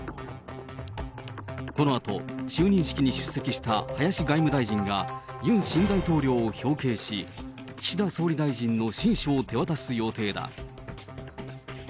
このあと、就任式に出席した林外務大臣が、ユン新大統領を表敬し、岸田総理大臣の親書を手渡す予定だ。